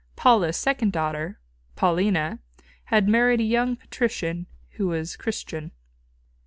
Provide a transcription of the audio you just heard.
Paula's second daughter, Paulina, had married a young patrician who was Christian.